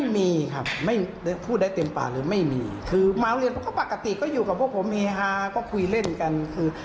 มาโรงเรียนปกติก็อยู่กับพวกผมเฮฮาก็คุยเล่นกันคือ